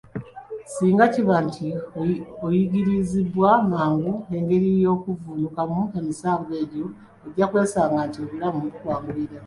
Singa kiba nti oyigirizibbwa mangu engeri y'okuvvuunukamu emisanvu egyo, ojja kwesanga nti obulamu bukwanguyira.